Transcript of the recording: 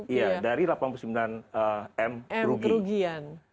iya dari delapan puluh sembilan m kerugian